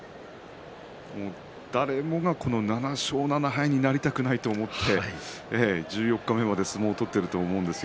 誰もが７勝７敗になりたくないと思って十四日目まで相撲を取っていると思うんです。